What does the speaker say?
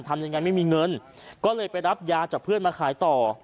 ทำยังไงไม่มีเงินก็เลยไปรับยาจากเพื่อนมาขายต่อ